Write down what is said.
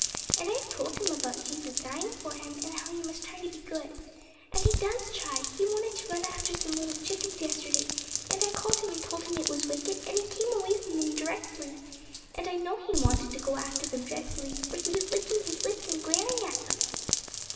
And I've told him about Jesus dying for him, and how he must try to be good. And he does try: he wanted to run after some little chickens yesterday, and I called him and told him it was wicked, and he came away from them directly; and I know he wanted to go after them dreadfully, for he was licking his lips and glaring at them!'